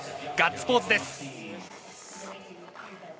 ガッツポーズです。